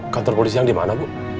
kantor polisi yang di mana bu